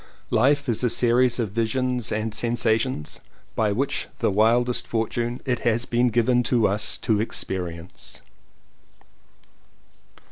Life is a series of visions and sensations which by the wildest fortune it has been given us to experience.